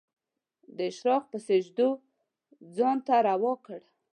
د اشراق په سجدو ځان ته روا کړ